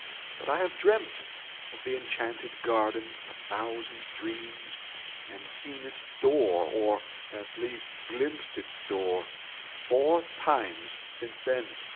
But I have dreamt of the enchanted garden a thousand dreams, and seen its door, or at least glimpsed its door, four times since then.